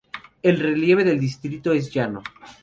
El relieve del distrito es llano.